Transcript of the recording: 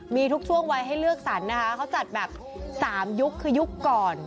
มีทุกช่วงวัยให้เลือกสรรนะคะเขาจัดแบบ๓ยุคคือยุคก่อน